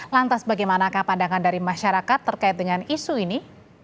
lantas bagaimanakah pandangan dari masyarakat terkait dengan isu ini